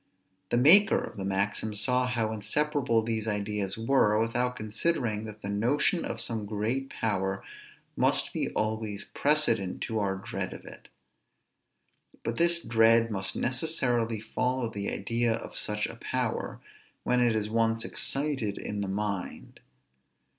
The maker of the maxim saw how inseparable these ideas were, without considering that the notion of some great power must be always precedent to our dread of it. But this dread must necessarily follow the idea of such a power, when it is once excited in the mind.